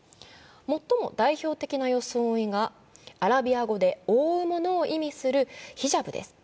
最も代表的な装いがアラビア語で「覆うもの」を意味する、ヒジャブです。